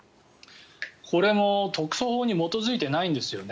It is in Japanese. これも特措法に基づいてないんですよね。